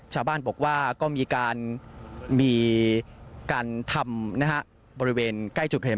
ชาวบ้านบอกว่าก็มีการทำนะฮะบริเวณใกล้จุดเห็น